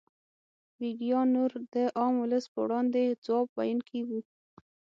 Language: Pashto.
ویګیان نور د عام ولس په وړاندې ځواب ویونکي وو.